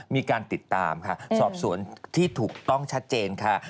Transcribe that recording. มีการติดตามค่ะสอบสวนที่ถูกต้องชัดเจนค่ะ